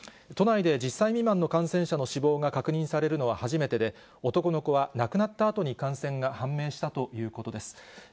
都内で１０歳未満の感染者の死亡が確認されるのは初めてで、男の子は亡くなったあとに感染が判明したということです。